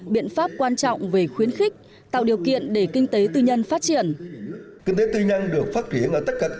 biện pháp quan trọng về khuyến khích tạo điều kiện để kinh tế tư nhân phát triển